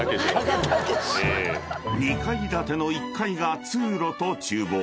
［２階建ての１階が通路と厨房］